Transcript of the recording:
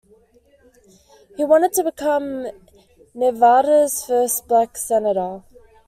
He wanted to become Nevada's first black Senator.